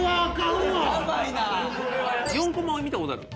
４コマは見た事ある？